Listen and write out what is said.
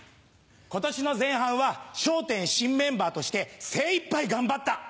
今年の前半は『笑点』新メンバーとして精いっぱい頑張った。